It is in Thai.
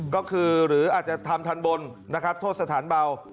ก็คือหรืออาจจะทำทันบนนะครับโทษสถานเบา